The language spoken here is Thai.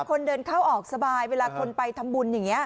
คนเดินเข้าออกสบายเวลาคนไปทำบุญอย่างนี้